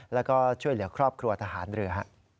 แล้วก็ช่วยเหลือครอบครัวทหารเรือ